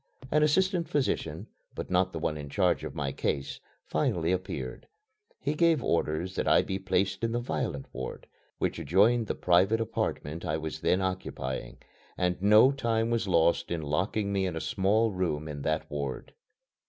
An assistant physician, but not the one in charge of my case, finally appeared. He gave orders that I be placed in the violent ward, which adjoined the private apartment I was then occupying, and no time was lost in locking me in a small room in that ward.